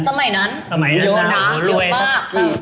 เยอะมากคือ๕๐ปีสมัยนั้นน่ะโหรวย